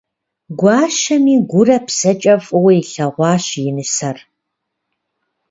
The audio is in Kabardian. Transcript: Гуащэми - гурэ псэкӀэ фӀыуэ илъэгъуащ и нысэр.